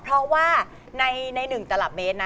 เพราะว่าใน๑ตลับเมตรนะ